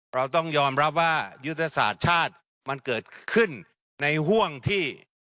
เราต้องยอมรับว่ายุทธศาสตร์ชาติมันเกิดขึ้นในห่วงที่